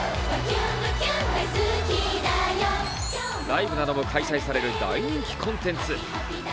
ライブなども開催される大人気コンテンツ。